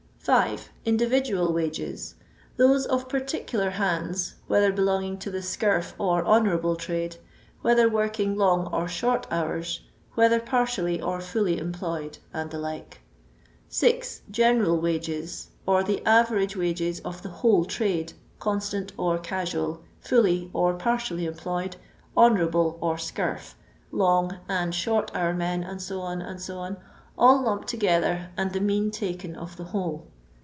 6. Individual Wages. — Those of particular hands, whether belonging to the scurf or honour able trade, whether working long or short hours, whether partially or fully empWfsd, and the like. 6. General Wages.—Or the average wages of the whole trade, constant or casual, fully or par tially employed, honourable or scurf, long and short hour men, &c., &c, all lumped together and tbe mean taken of the whole.